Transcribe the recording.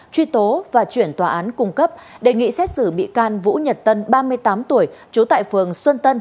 truy tố và chuyển tòa án cung cấp đề nghị xét xử bị can vũ nhật tân ba mươi tám tuổi trú tại phường xuân tân